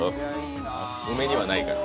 梅にはないから。